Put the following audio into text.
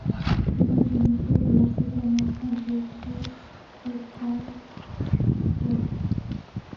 Su canción más popular se llamaba "Can you hear the dawn break?